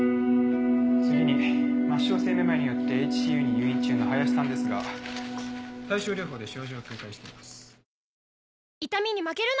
次に末梢性めまいによってＨＣＵに入院中の林さんですが対症療法で症状軽快しています。